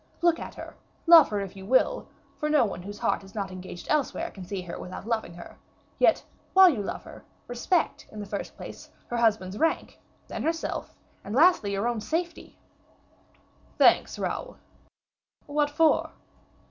Look at her, love her, if you will, for no one whose heart is not engaged elsewhere can see her without loving her. Yet, while you love her, respect, in the first place, her husband's rank, then herself, and lastly, your own safety." "Thanks, Raoul." "What for?"